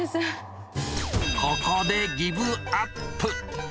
ここでギブアップ。